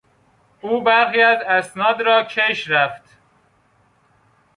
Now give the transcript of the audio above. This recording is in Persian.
او برخی از اسناد را کش رفت.